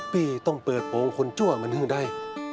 พี่ต้องเปิดโปรงคนชั่วมันให้ได้